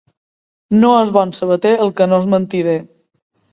No és bon sabater el que no és mentider.